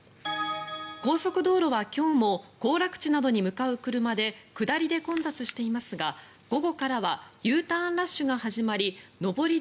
高速道路は今日も行楽地などに向かう車で下りで混雑していますが午後からはＵターンラッシュが始まり